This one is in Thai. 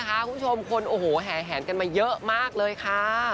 คุณชมคนแห่งกันมาเยอะมากเลยค่ะ